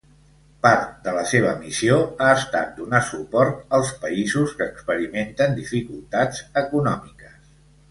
Part de la seva missió ha estat donar suport als països que experimenten dificultats econòmiques.